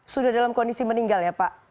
sudah dalam kondisi meninggal ya pak